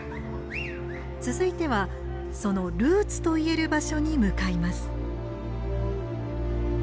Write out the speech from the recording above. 続いてはそのルーツといえる場所に向かいます。